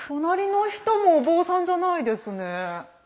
隣の人もお坊さんじゃないですね。